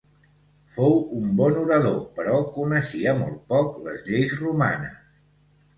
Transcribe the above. Fou un bon orador, però coneixia molt poc les lleis romanes.